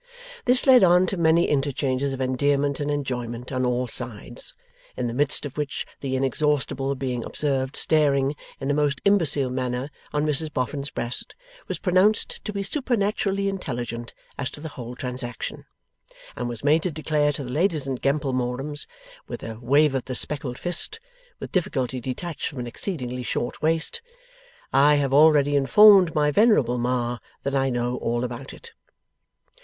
This led on to many interchanges of endearment and enjoyment on all sides, in the midst of which the Inexhaustible being observed staring, in a most imbecile manner, on Mrs Boffin's breast, was pronounced to be supernaturally intelligent as to the whole transaction, and was made to declare to the ladies and gemplemorums, with a wave of the speckled fist (with difficulty detached from an exceedingly short waist), 'I have already informed my venerable Ma that I know all about it!